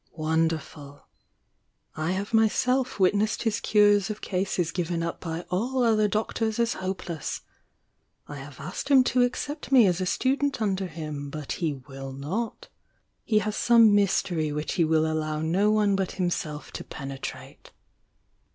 "Wonder ful ! I have myself witnessed his cures of cases given up by all other doctors as hopeless. I have asked him to accept me as a student under him, but he will not. He has some my.etery which he will allow no one but himself to penetrate."